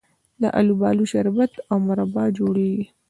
د الوبالو شربت او مربا جوړیږي.